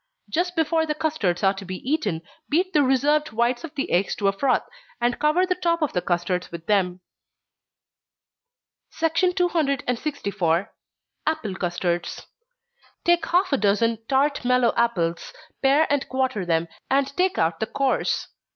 Just before the custards are to be eaten, beat the reserved whites of the eggs to a froth, and cover the top of the custards with them. 264. Apple Custards. Take half a dozen tart mellow apples pare and quarter them, and take out the cores.